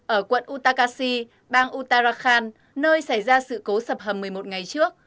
ở quận utakasi bang uttarakhand nơi xảy ra sự cố sập hầm một mươi một ngày trước